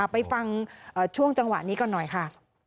ไปฟังช่วงจังหวะนี้ก่อนหน่อยค่ะ